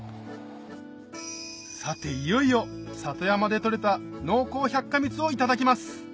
さていよいよ里山で採れた濃厚百花蜜をいただきます